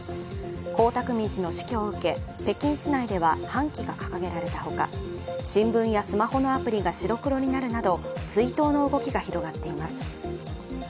江沢民氏の死去を受け、北京市内では半旗が掲げられたほか、新聞やスマホのアプリが白黒になるなど追悼の動きが広まっています。